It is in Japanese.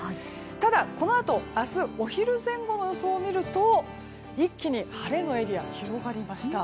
ただ、このあと明日お昼前後の予想を見ると一気に晴れのエリアが広がりました。